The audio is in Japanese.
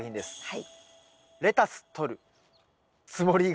はい。